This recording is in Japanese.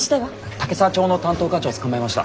岳沢町の担当課長捕まえました。